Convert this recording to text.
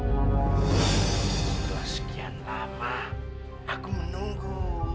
setelah sekian lama aku menunggu